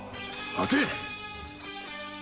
待て！